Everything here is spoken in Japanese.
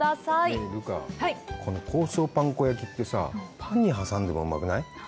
ねえ留伽、この香草パン粉焼きってさ、パンに挟んでもうまくない？